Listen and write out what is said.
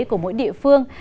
của mỗi địa phương